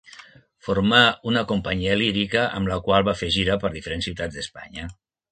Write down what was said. Formà una companyia lírica amb la qual va fer gira per diferents ciutats d'Espanya.